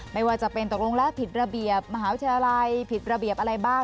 ไม่ว่าจะเป็นตกลงแล้วผิดระเบียบมหาวิทยาลัยผิดระเบียบอะไรบ้าง